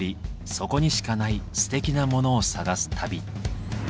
そこにしかないステキなモノを探す旅。